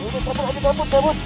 pamput pamput pamput pamput